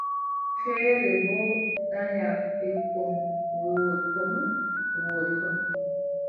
Feere boo danya ɓikkon wooɗkon, wooɗkon.